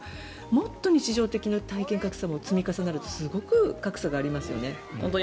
もっと日常的な体験格差が積み重なるとすごく格差がありますよね。